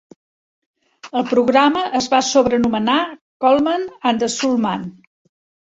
El programa es va sobrenomenar "Coleman and the Soul Man".